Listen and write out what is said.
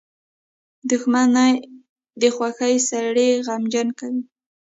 • دښمني د خوښۍ سړی غمجن کوي.